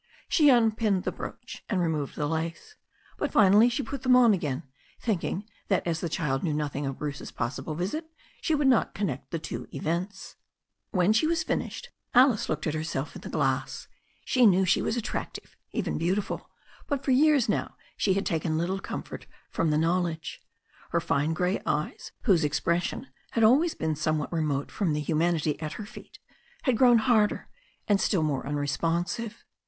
She unpinned the brooch and removed the lace. But finally she put them on again, thinking that as the child knew nothing of Bruce's possible visit she would not connect the two events. When she had finished, Alice looked at herself in the glass. She knew she was attractive, even beautiful, but for years now she had taken little comfort from the knowledge. Her fine grey eyes, whose expression had always been some what remote from the humanity at her feet, had grown harder, and still more unresponsive.